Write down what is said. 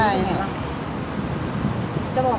มันเป็นอย่างไรบ้าง